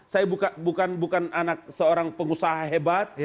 saya bukan anak seorang pengusaha hebat